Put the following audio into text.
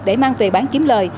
để mang về bán kiếm lời